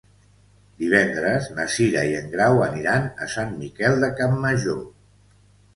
Divendres na Cira i en Grau aniran a Sant Miquel de Campmajor.